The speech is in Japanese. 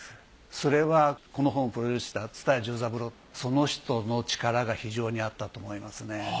それはこの本をプロデュースした蔦屋重三郎その人の力が非常にあったと思いますね。